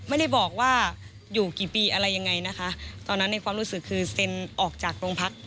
ไม่ได้บอกว่าอยู่กี่ปีอะไรยังไงนะคะตอนนั้นในความรู้สึกคือเซ็นออกจากโรงพัก